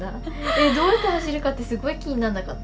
えっどうやって走るかってすっごい気にならなかった？